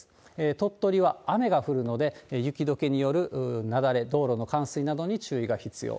鳥取は雨が降るので、雪どけによる雪崩、道路の冠水などに注意が必要。